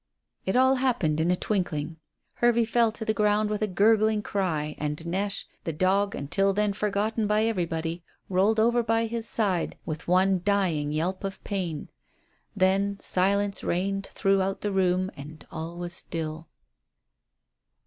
It all happened in a twinkling. Hervey fell to the ground with a gurgling cry, and Neche, the dog, until then forgotten by everybody, rolled over by his side with one dying yelp of pain. Then silence reigned throughout the room and all was still.